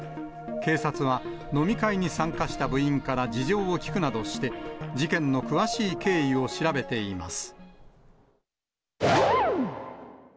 警察は飲み会に参加した部員から事情を聴くなどして、事件の詳しい経緯を調べています。